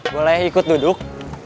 boleh ikut duduk